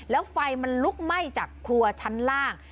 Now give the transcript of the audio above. แล้วไฟมันลุกไหม้จากครัวชั้นล่าง